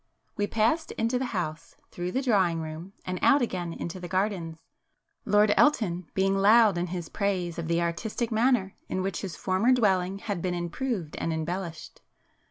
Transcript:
We passed into the house, through the drawing room, and out again into the gardens, Lord Elton being loud in his praise of the artistic manner in which his former dwelling had been improved and embellished.